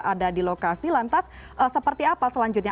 ada di lokasi lantas seperti apa selanjutnya